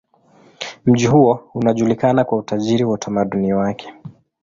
Mji huo unajulikana kwa utajiri wa utamaduni wake.